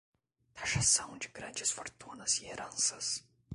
Taxação de grandes fortunas e heranças